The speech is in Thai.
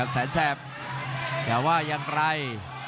แสนแสบแกว่ายังไร